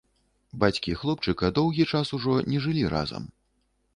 Бацькі хлопчыка доўгі час ужо не жылі разам.